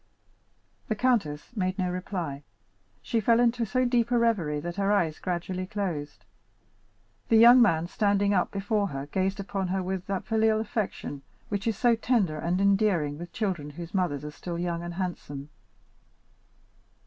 The countess made no reply. She fell into so deep a reverie that her eyes gradually closed. The young man, standing up before her, gazed upon her with that filial affection which is so tender and endearing with children whose mothers are still young and handsome.